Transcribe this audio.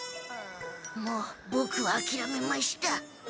もうボクはあきらめました。